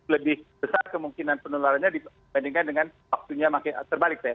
lebih besar kemungkinan penularannya dibandingkan dengan waktunya makin terbalik